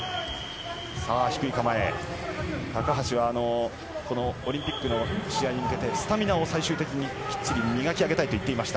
高橋はオリンピックの試合に向けてスタミナを最終的にきっちり磨き上げたいと言ってました。